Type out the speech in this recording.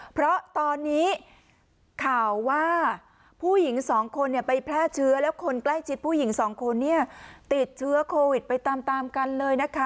เพราะตอนนี้ข่าวว่าผู้หญิงสองคนไปแพร่เชื้อแล้วคนใกล้ชิดผู้หญิงสองคนเนี่ยติดเชื้อโควิดไปตามตามกันเลยนะคะ